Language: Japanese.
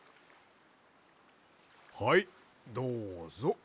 はいどうぞ。